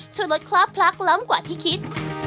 ช่วยลดคลาบพลักล้ำกว่าที่คิด